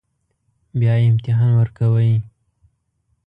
بیا امتحان ورکوئ